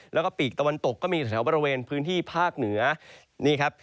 แล้วก็ปีกตะวันตกก็มีแถวบริเวณพื้นที่ภาคเหนือนี่ครับ